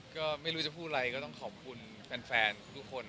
ก็ไม่รู้จะพูดอะไรก็ต้องขอบคุณแฟนทุกคน